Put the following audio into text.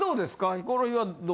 ヒコロヒーはどう？